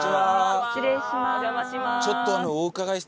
失礼します。